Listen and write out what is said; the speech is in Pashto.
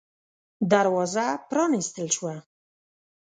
دروازه پًرانيستل شوه.